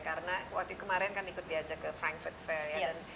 karena kita sudah berjalan ke frankfurt fair